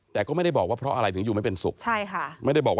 แต่ก็ไม่ได้บอกว่าเพราะอะไรถึงอยู่ไม่เป็นสุข